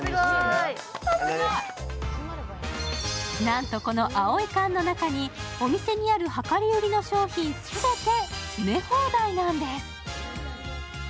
なんと、この青い缶の中にお店にある量り売りの商品全て詰め放題なんです。